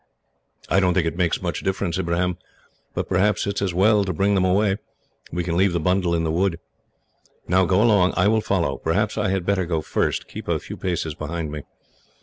"I don't think it makes much difference, Ibrahim, but perhaps it is as well to bring them away. We can leave the bundle in the wood. "Now, go along. I will follow. Perhaps I had better go first. Keep a few paces behind me."